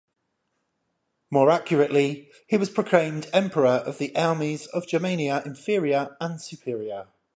More accurately, he was proclaimed Emperor of the armies of Germania Inferior and Superior.